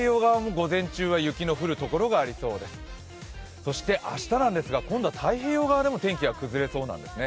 そして明日なんですが今度は太平洋側でも天気が崩れそうなんですね。